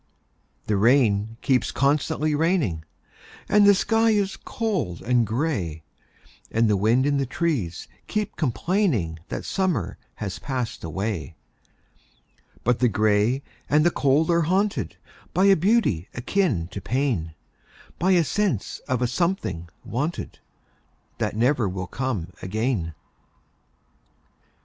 The rain keeps constantly raining, And the sky is cold and gray, And the wind in the trees keeps complainingThat summer has passed away;—But the gray and the cold are hauntedBy a beauty akin to pain,—By a sense of a something wanted, That never will come again.